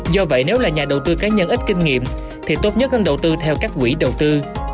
do vậy nếu là nhà đầu tư cá nhân ít kinh nghiệm thì tốt nhất cần đầu tư theo các quỹ đầu tư